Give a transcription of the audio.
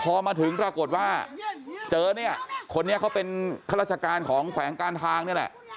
พอมาถึงปรากฏว่าเจอเนี่ยคนนี้เขาเป็นข้าราชการของแขวงการทางนี่แหละ